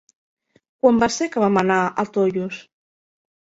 Quan va ser que vam anar a Tollos?